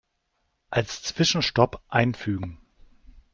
Als Zwischenstopp einfügen.